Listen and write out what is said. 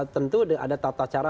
tentu ada tata cara